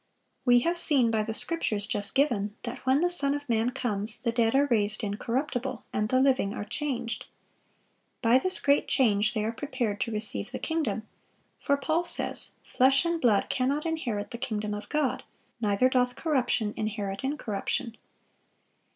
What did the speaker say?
We have seen by the scriptures just given that when the Son of man comes, the dead are raised incorruptible, and the living are changed. By this great change they are prepared to receive the kingdom; for Paul says, "Flesh and blood cannot inherit the kingdom of God; neither doth corruption inherit incorruption."